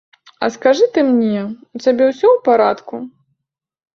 А скажы ты мне, у цябе ўсё ў парадку?